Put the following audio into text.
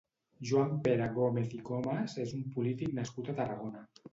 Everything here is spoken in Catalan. Joan Pere Gómez i Comes és un polític nascut a Tarragona.